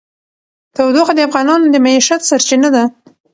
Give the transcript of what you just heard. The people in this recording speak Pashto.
تودوخه د افغانانو د معیشت سرچینه ده.